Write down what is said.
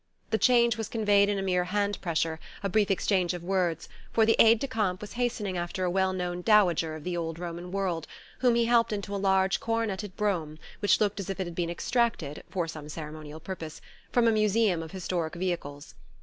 The change was conveyed in a mere hand pressure, a brief exchange of words, for the aide de camp was hastening after a well known dowager of the old Roman world, whom he helped into a large coronetted brougham which looked as if it had been extracted, for some ceremonial purpose, from a museum of historic vehicles.